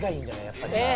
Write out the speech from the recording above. やっぱり。